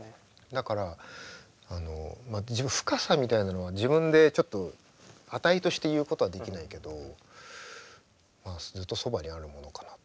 だからあの深さみたいなのは自分でちょっと値として言うことはできないけどまあずっとそばにあるものかなと。